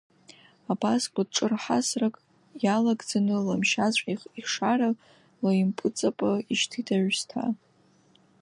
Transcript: Абас кәытҿырҳасрак иалагӡаны Ламшьаҵә ихшара лаимпыҵаба ишьҭит аҩсҭаа.